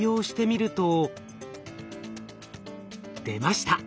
出ました。